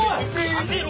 やめろ！